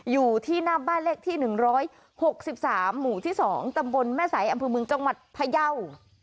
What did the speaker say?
อยู่ที่หน้าบ้านเลขที่๑๖๓หมู่ที่๒ตำบลแม่สายอำเภอเมืองจังหวัดพยาว